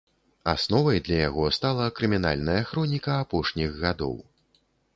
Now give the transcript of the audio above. Асновай для яго стала крымінальная хроніка апошніх гадоў.